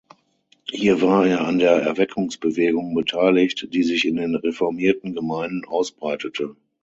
Hier war er an der Erweckungsbewegung beteiligt, die sich in den reformierten Gemeinden ausbreitete.